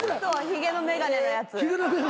ひげの眼鏡のやつ。